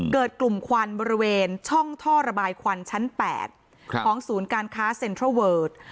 กลุ่มควันบริเวณช่องท่อระบายควันชั้น๘ของศูนย์การค้าเซ็นทรัลเวิร์ด